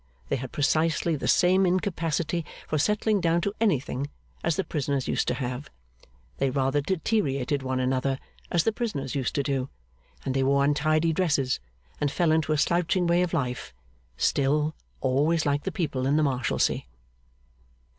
They had precisely the same incapacity for settling down to anything, as the prisoners used to have; they rather deteriorated one another, as the prisoners used to do; and they wore untidy dresses, and fell into a slouching way of life: still, always like the people in the Marshalsea.